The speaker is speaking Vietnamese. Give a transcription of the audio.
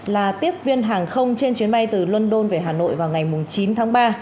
là tiếp viên hàng không trên chuyến bay từ london về hà nội vào ngày chín tháng ba